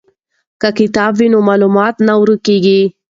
که کتاب وي نو معلومات نه ورک کیږي.